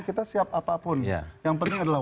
kita siap apapun yang penting adalah